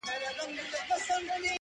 چي تابه وكړې راته ښې خبري؛